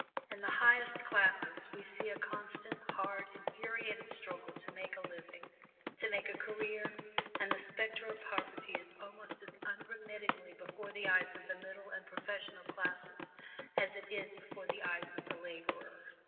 In the higher classes we see a constant, hard, infuriated struggle to make a living, to make a career, and the spectre of poverty is almost as unremittingly before the eyes of the middle and professional classes as it is before the eyes of the laborer.